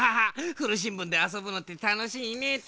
ふるしんぶんであそぶのってたのしいねぇっと。